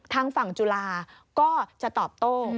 ทางฝั่งจุฬาก็จะตอบโต้